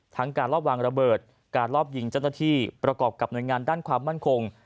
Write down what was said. การรอบวางระเบิดการรอบยิงเจ้าหน้าที่ประกอบกับหน่วยงานด้านความมั่นคง